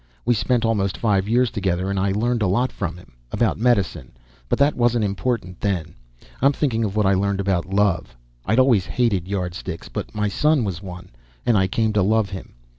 We spent almost five years together and I learned a lot from him. About medicine, but that wasn't important then. I'm thinking of what I learned about love. I'd always hated Yardsticks, but my son was one, and I came to love him.